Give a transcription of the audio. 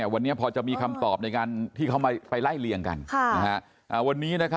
วันนี้พอจะมีคำตอบในที่เค้าไปไล่เลียงกัน